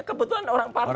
kebetulan orang partai semua